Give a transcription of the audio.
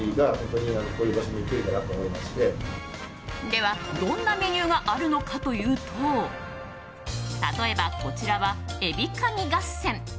では、どんなメニューがあるのかというと例えば、こちらはエビカニ合戦。